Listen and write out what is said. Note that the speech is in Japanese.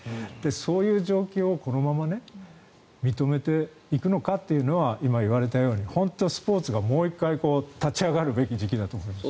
そういう状況をこのまま認めていくのかというのは今言われたように本当にスポーツがもう１回立ち上がるべきだと思います。